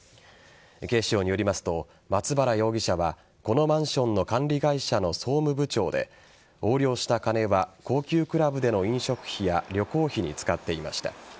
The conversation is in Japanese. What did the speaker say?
警視庁によりますと松原容疑者はこのマンションの管理会社の総務部長で横領した金は高級クラブでの飲食費や旅行費に使っていました。